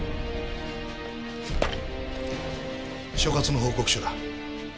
所轄の報告書だ。